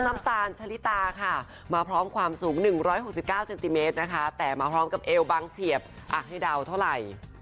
น้ำตาลชะลิตาค่ะมาพร้อมความสูง๑๖๙เซนติเมตรนะคะแต่มาพร้อมกับเอวบางเสียบให้เดาเท่าไหร่